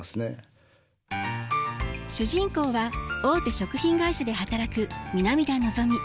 主人公は大手食品会社で働く南田のぞみ。